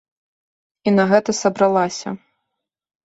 І на гэта сабралася.